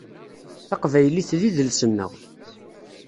Taqbaylit d idles-nneɣ.